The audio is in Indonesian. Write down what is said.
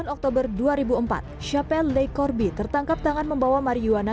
delapan oktober dua ribu empat chapelle le corbi tertangkap tangan membawa marihuana